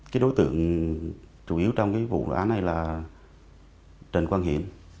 cái đối tượng chủ yếu trong cái vụ án này là trần quang hiển